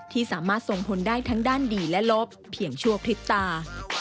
ที่สามารถส่งผลได้ทั้งด้านดีและลบเพียงชั่วพริบตา